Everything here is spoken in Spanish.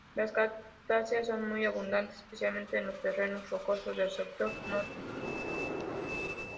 Las cactáceas son muy abundantes, especialmente en los terrenos rocosos del sector norte.